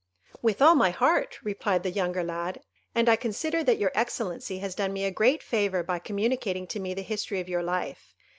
"With all my heart," replied the younger lad: "and I consider that your excellency has done me a great favour by communicating to me the history of your life.